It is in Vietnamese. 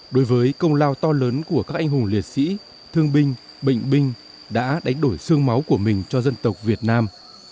đối với công lao to lớn của các anh hùng liệt sĩ thương binh bệnh binh đã đánh đổi xương máu của mình cho dân tộc việt nam